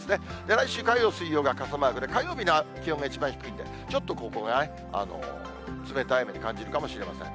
来週火曜、水曜が傘マークで、火曜日の気温が一番低いんで、ちょっとここがね、冷たい雨に感じるかもしれません。